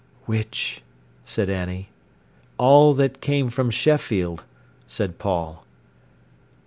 "Which?" said Annie. "All that came from Sheffield," said Paul.